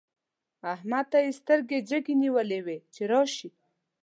احمد ته يې سترګې جګې نيولې وې چې راشي.